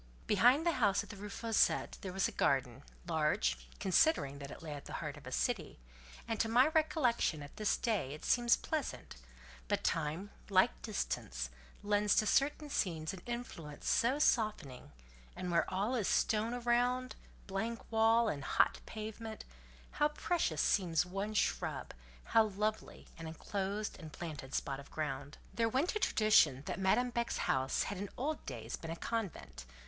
Behind the house at the Rue Fossette there was a garden—large, considering that it lay in the heart of a city, and to my recollection at this day it seems pleasant: but time, like distance, lends to certain scenes an influence so softening; and where all is stone around, blank wall and hot pavement, how precious seems one shrub, how lovely an enclosed and planted spot of ground! There went a tradition that Madame Beck's house had in old days been a convent.